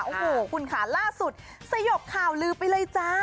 โอ้โหคุณค่ะล่าสุดสยบข่าวลือไปเลยจ้า